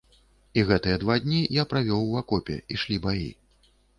І гэтыя два дні я правёў у акопе, ішлі баі.